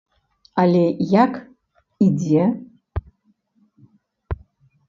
Але як і дзе?